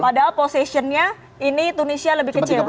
padahal positionnya ini tunisia lebih kecil